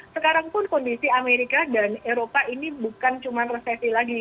sekarang pun kondisi amerika dan eropa ini bukan cuma resesi lagi